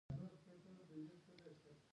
آیا دا سمندر تیل او ګاز نلري؟